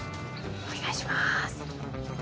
お願いします。